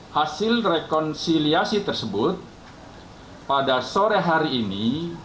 hasil rekonsiliasi tersebut pada sore hari ini